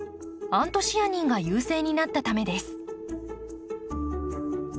アントシアニンが優勢になったためです。